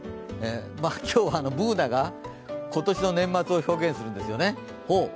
今日はＢｏｏｎａが今年の年末を表現するんですよね。